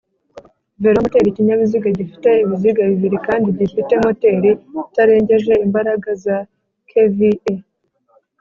VelomoteriIkinyabiziga gifite ibiziga bibiri kandi gifite moteri itarengeje imbaraga za KvA